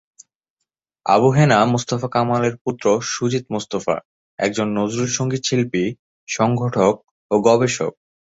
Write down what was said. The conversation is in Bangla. আবু হেনা মোস্তফা কামালের পুত্র সুজিত মোস্তফা একজন নজরুল সংগীত শিল্পী, সংগঠক ও গবেষক।